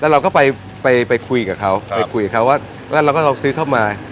แล้วเราก็ไปไปไปคุยกับเขาครับไปคุยกับเขาว่าแล้วเราก็ลองซื้อเข้ามา